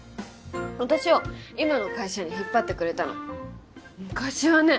私を今の会社に引っ張ってくれたの昔はね